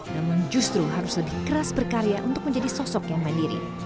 namun justru harus lebih keras berkarya untuk menjadi sosok yang mandiri